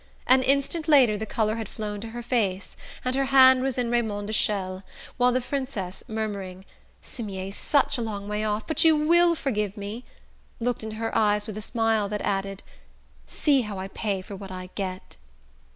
An instant later the colour had flown to her face and her hand was in Raymond de Chelles, while the Princess, murmuring: "Cimiez's such a long way off; but you WILL forgive me?" looked into her eyes with a smile that added: "See how I pay for what I get!"